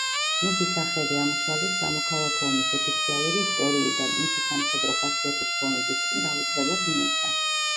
მისი სახელი ამოშალეს სამოქალაქო ომის ოფიციალური ისტორიიდან, მისი სამხედრო ხასიათის შრომები კი დავიწყებას მიეცა.